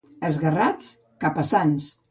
Esguerrats, cap a Sants.